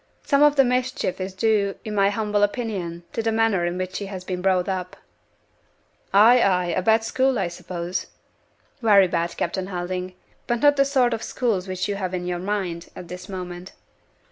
Some of the mischief is due, in my humble opinion, to the manner in which she has been brought up." "Ay! ay! A bad school, I suppose." "Very bad, Captain Helding. But not the sort of school which you have in your mind at this moment.